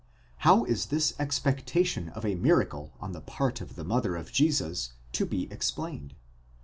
How is this expectation of a miracle on the part of the mother of Jesus to be explained?